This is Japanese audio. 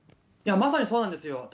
まさにそうなんですよ。